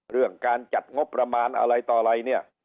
เรื่องการจัดงบประมาณอะไรต่ออะไรเนี่ย